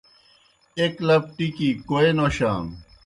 ایْک لَپ ٹِکیْ گیْ کوئے نوشانو۔